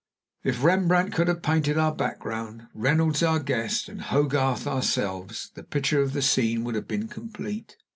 If Rembrandt could have painted our background, Reynolds our guest, and Hogarth ourselves, the picture of the scene would have been complete.